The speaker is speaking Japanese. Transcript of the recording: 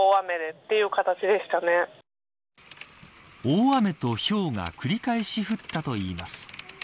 大雨とひょうが繰り返し降ったといいます。